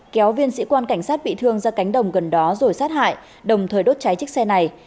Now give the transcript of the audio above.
kéo viên sĩ quan cảnh sát bị thương ra cánh đồng gần đó rồi sát hại đồng thời đốt cháy chiếc xe này